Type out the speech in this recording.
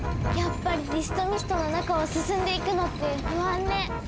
やっぱりディストミストの中を進んでいくのって不安ね。